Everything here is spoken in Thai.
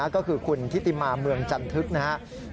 ก็คือคุณทิติมาเมืองจันทึกนะครับ